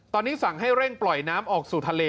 ตอนนี้สั่งให้เร่งปล่อยน้ำออกสู่ทะเล